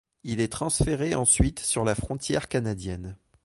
Il est transféré ensuite sur la frontière canadienne.